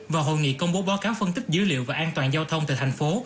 vào hội nghị công bố báo cáo phân tích dữ liệu về an toàn giao thông tại thành phố